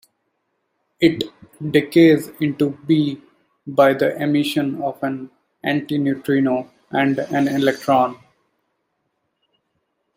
It decays into Be by the emission of an antineutrino and an electron.